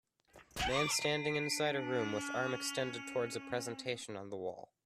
Man standing inside a room, with arm extended towards a presentation on the wall.